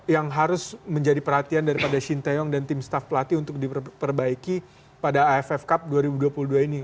yang harus menjadi perhatian daripada shin taeyong dan tim staff pelatih untuk diperbaiki pada aff cup dua ribu dua puluh dua ini